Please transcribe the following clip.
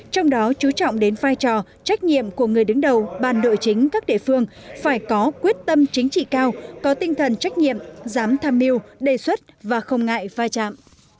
trong đó chú trọng đến vai trò trách nhiệm của người đứng đầu bàn đội chính các địa phương phải có quyết tâm chính trị cao có tinh thần trách nhiệm dám tham mưu đề xuất và không ngại vai trạm